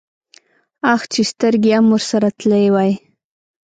اخ چې سرګي ام ورسره تلی وای.